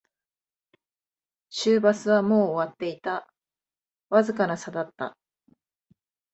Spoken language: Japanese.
終バスはもう終わっていた、わずかな差だった